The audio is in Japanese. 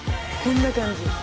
こんな感じ。